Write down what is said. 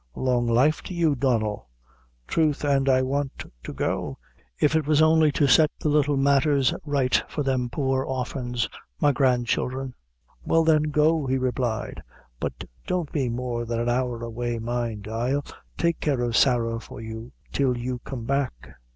"Long life to you, Donnel; throth an' I want to go, if it was only to set the little matthers right for them poor orphans, my grandchildre." "Well, then, go," he replied; "but don't be more than an hour away, mind. I'll take care of Sarah for you till you come back."